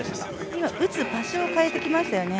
今、打つ場所を変えてきましたよね。